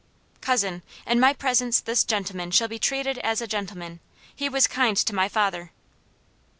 "Cousin, in my presence this gentleman shall be treated as a gentleman. He was kind to my father."